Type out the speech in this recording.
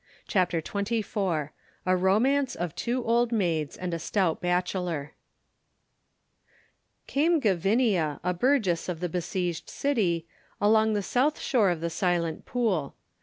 CHAPTER XXIV A ROMANCE OF TWO OLD MAIDS AND A STOUT BACHELOR Came Gavinia, a burgess of the besieged city, along the south shore of the Silent Pool.